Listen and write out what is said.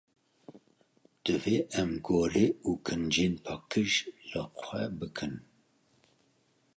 Divê em gore û kincên paqij li xwe bikin.